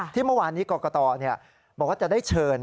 ที่เมื่อวานนี้กรกตบอกว่าจะได้เชิญ